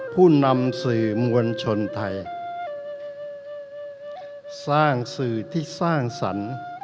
ผู้นำสื่อมวลชนไทยสร้างสื่อที่สร้างสรรค์